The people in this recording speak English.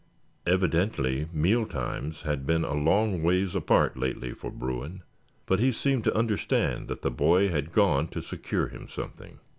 Evidently mealtimes had been a long ways apart lately for Bruin; but he seemed to understand that the boy had gone to secure him something.